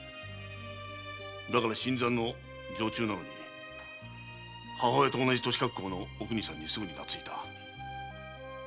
だから新参の女中なのに母親と同じ年格好のお邦さんにすぐになついた。